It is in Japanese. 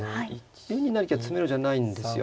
４二成桂は詰めろじゃないんですよ。